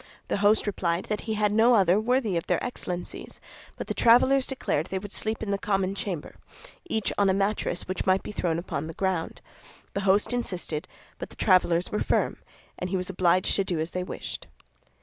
The host replied that he had no other worthy of their Excellencies; but the travelers declared they would sleep in the common chamber, each on a mattress which might be thrown upon the ground. The host insisted; but the travelers were firm, and he was obliged to do as they wished.